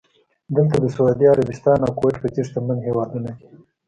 دلته د سعودي عربستان او کوېټ په څېر شتمن هېوادونه دي.